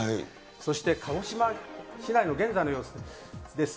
そして鹿児島市内の現在の様子です。